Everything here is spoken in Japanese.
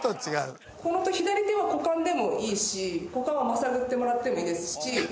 左手は股間でもいいし股間はまさぐってもらってもいいですし。